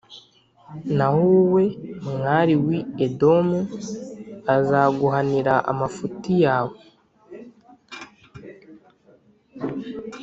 Naho wowe, mwari w’i Edomu, azaguhanira amafuti yawe,